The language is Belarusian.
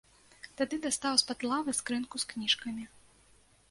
Тады дастаў з-пад лавы скрынку з кніжкамі.